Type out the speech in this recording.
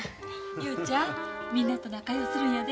雄ちゃんみんなと仲ようするんやで。